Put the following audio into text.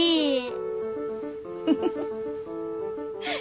フフフフ。